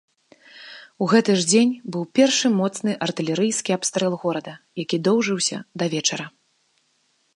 У гэты ж дзень быў першы моцны артылерыйскі абстрэл горада, які доўжыўся да вечара.